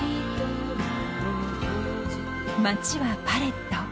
［街はパレット］